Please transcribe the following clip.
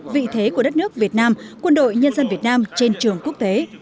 vị thế của đất nước việt nam quân đội nhân dân việt nam trên trường quốc tế